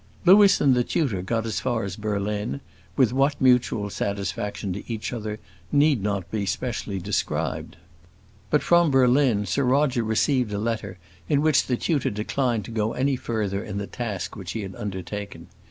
Louis and the tutor got as far as Berlin, with what mutual satisfaction to each other need not be specially described. But from Berlin Sir Roger received a letter in which the tutor declined to go any further in the task which he had undertaken.